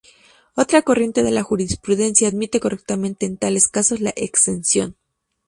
Otra corriente de la jurisprudencia admite correctamente en tales casos la exención.